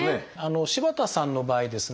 柴田さんの場合ですね